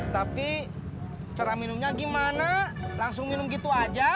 tapi cara minumnya gimana langsung minum gitu aja